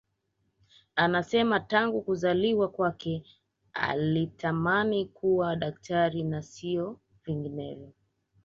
Anasema tangu kuzaliwa kwake alitamani kuwa daktari na sio vinginevyo